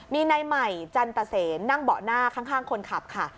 มีนายใหม่จันตเซนนั่งเบาะหน้าข้างคนขับค่ะ